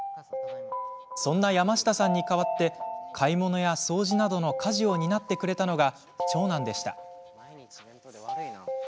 そんな山下さんに代わって買い物や掃除などの家事を担ってくれたのが長男でした。